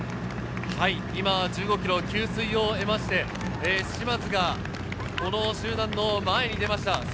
１５ｋｍ、給水を得て嶋津がこの集団の前に出ました。